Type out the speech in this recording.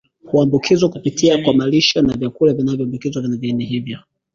Huambukizwa kupitia kwa malisho na vyakula vilivyoambukizwa viini hivyo